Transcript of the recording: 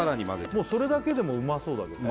もうそれだけでもうまそうだけどね